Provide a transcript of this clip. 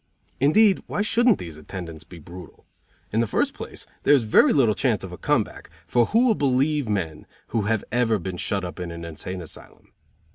Indeed, why shouldn't these attendants be brutal? In the first place, there is very little chance of a come back, for who will believe men who have ever been shut up in an insane asylum?